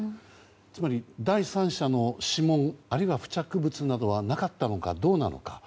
つまり第三者の指紋あるいは付着物などはなかったのか、どうなのか。